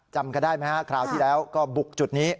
จำกันได้ไหมฮะคราวที่แล้วก็บุกจุดนี้